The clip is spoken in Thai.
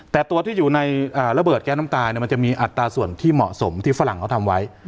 แต่ตัวที่อยู่ในระเบิดแก๊สน้ำตามันจะมีอัตราส่วนที่เหมาะสมที่ฝรั่งเขาทำไว้